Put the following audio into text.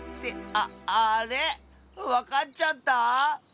ああれ⁉わかっちゃった？